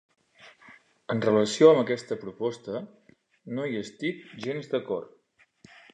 En relació amb aquesta proposta, no hi estic gens d'acord.